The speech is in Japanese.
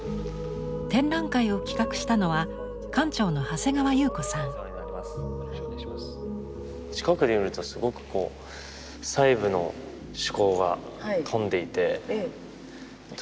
展覧会を企画したのは近くで見るとすごくこう細部の趣向がとんでいてとてもいいなぁなんて。